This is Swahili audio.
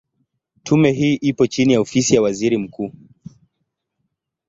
Tume hii ipo chini ya Ofisi ya Waziri Mkuu.